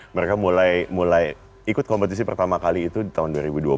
mereka mulai ikut kompetisi pertama kali itu di tahun dua ribu dua puluh